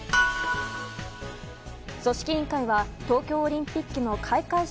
組織委員会は東京オリンピックの開会式